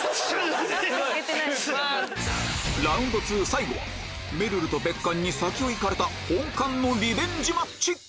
ラウンド２最後はめるると別館に先を行かれた本館のリベンジマッチ